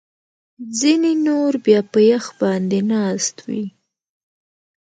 ځینې نور بیا په یخ باندې ناست وي